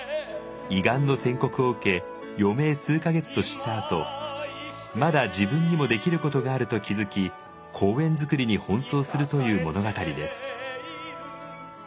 胃がんの宣告を受け余命数か月と知ったあとまだ自分にもできることがあると気付き公園作りに奔走するという物語です。